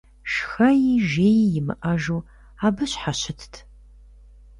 Шхэи жеи имыӀэжу абы щхьэщытт.